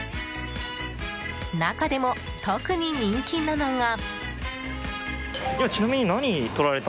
中でも特に人気なのが。